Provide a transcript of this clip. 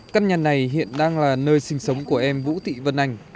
căn nhà này hiện đang là nơi sinh sống của em vũ thị vân anh